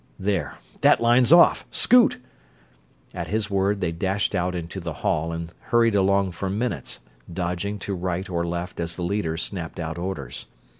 There, that line's off ... scoot!" At his word they dashed out into the hall and hurried along for minutes, dodging to right or left as the leader snapped out orders.